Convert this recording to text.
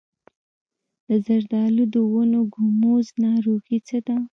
د زردالو د ونو ګوموز ناروغي څه ده؟